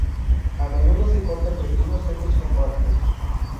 A menudo se corta en pequeños setos compactos.